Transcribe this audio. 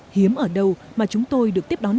hiếm ở đâu mà chúng tôi được tiếp đón